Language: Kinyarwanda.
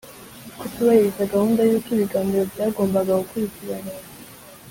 Kutubahiriza gahunda y uko ibiganiro byagombaga gukurikirana